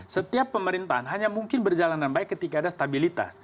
setiap pemerintahan hanya mungkin berjalanan baik ketika ada stabilitas